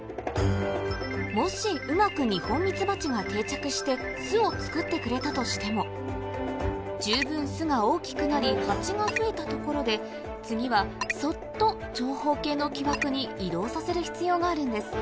もしうまくニホンミツバチが定着して巣を作ってくれたとしても十分巣が大きくなりハチが増えたところで次はそっと長方形の木枠に移動させる必要があるんです